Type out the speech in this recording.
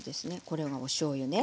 これがおしょうゆね。